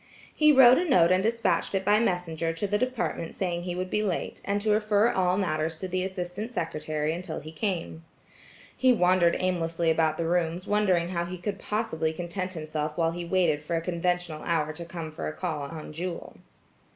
He wrote a note and despatched it by messenger to the department saying he would be late, and to refer all matters to the assistant secretary until he came. He wandered aimlessly about the rooms wondering how he could possibly content himself while he waited for a conventional hour to come for a call on Jewel.